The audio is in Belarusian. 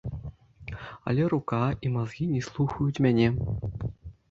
Але рука і мазгі не слухаюць мяне.